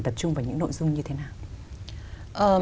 tập trung vào những nội dung như thế nào